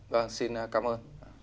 vâng xin cảm ơn